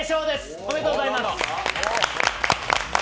おめでとうございます。